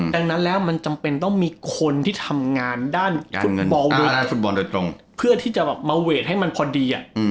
ดังนั้นแล้วมันจำเป็นต้องมีคนที่ทำงานด้านฟุตบอลโดยฟุตบอลโดยตรงเพื่อที่จะแบบมาเวทให้มันพอดี